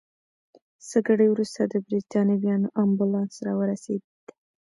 څه ګړی وروسته د بریتانویانو امبولانس راورسېد.